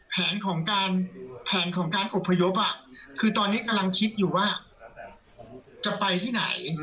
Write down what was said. แผนของการอพยพคือตอนนี้กำลังคิดอยู่ว่าจะไปที่ไหน